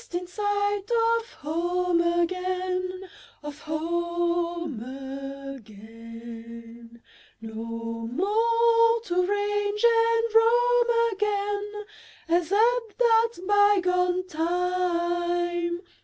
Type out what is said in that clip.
In sight of home again, Of home again; No more to range and roam again As at that bygone time?